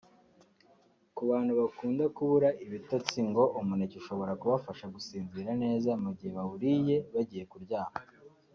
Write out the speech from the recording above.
Ku bantu bakunda ku bura ibitotsi ngo umuneke ushobora kubafasha gusinzira neza mu gihe bawuriye bagiye kuryama